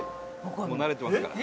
もう慣れてますから。